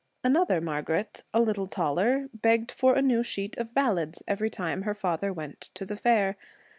Another Margaret, a little taller, begged for a new sheet of ballads every time her father went to the fair.